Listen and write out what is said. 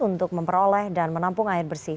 untuk memperoleh dan menampung air bersih